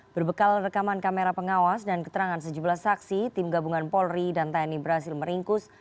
berbekal rekaman kamera pengawas dan keterangan sejumlah saksi tim gabungan polri dan tni berhasil meringkus